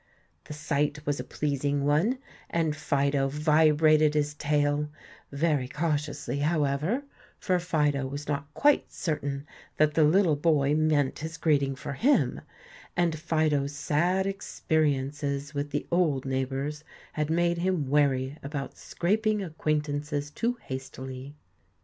The sight was a pleasing one, and Fido vibrated his tail, very cautiously, however, for Fido was not quite certain that the little boy meant his greeting for him, and Fido's sad experiences with the old neighbors had made him wary about scraping acquaintances too hastily.